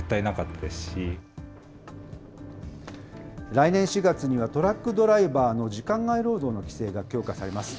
来年４月には、トラックドライバーの時間外労働の規制が強化されます。